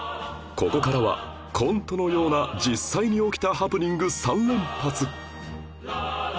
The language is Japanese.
ここからはコントのような実際に起きたハプニング３連発